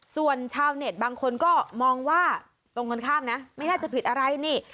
ส่วนชาวเน็ตบางคนก็มองว่าตรงกันข้ามนะไม่น่าจะผิดอะไรนี่